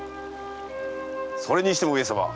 それにしても上様。